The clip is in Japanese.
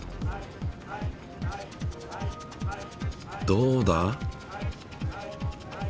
どうだ？